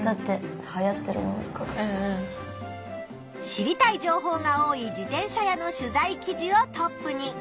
知りたい情報が多い自転車屋の取材記事をトップに。